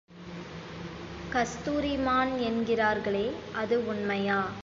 கஸ்தூரி மான் என்கிறார்களே, அது உண்மையா?